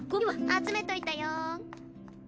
集めといたよ。